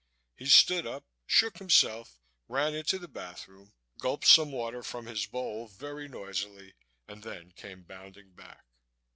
He stood up, shook himself, ran into the bathroom, gulped some water from his bowl very noisily, and then came bounding back.